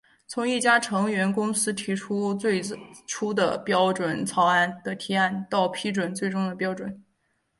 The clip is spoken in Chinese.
从一家成员公司提出最初的标准草案的提案到批准最终的标准。